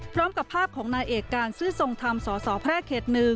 พร้อมกับภาพของนายเอกการซื่อทรงธรรมสสแพร่เขต๑